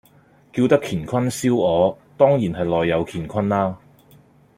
叫得乾坤燒鵝，當然係內有乾坤啦